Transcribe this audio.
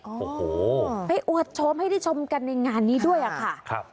โอ้โหไปอวดชมให้ได้ชมกันในงานนี้ด้วยค่ะ